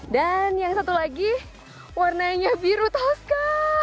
dan yang satu lagi warnanya biru toska